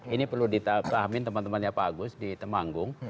ini perlu dipahamin teman temannya pak agus di temanggung